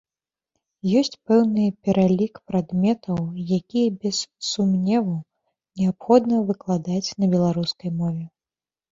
Ёсць пэўны пералік прадметаў, якія, без сумневу, неабходна выкладаць на беларускай мове.